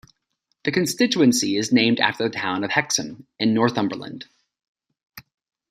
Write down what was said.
The constituency is named after the town of Hexham in Northumberland.